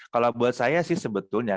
kalau buat saya sih sebetulnya